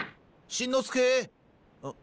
しんのすけ！